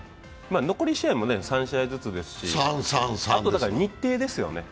残り試合も３試合ずつですしあと日程ですよね。